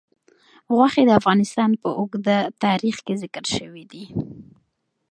غوښې د افغانستان په اوږده تاریخ کې ذکر شوی دی.